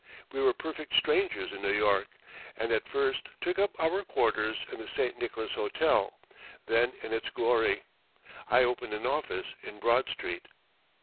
We were perfect strangers in New York, and at first took up our quarters in the St. Nicholas Hotel, then in its glory. I opened an office in Broad Street.